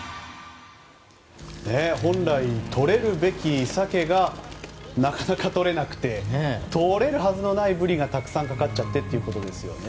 本来、とれるべきサケがなかなかとれなくてとれるはずのないブリがたくさんかかっちゃってということですね。